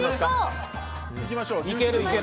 いきましょう！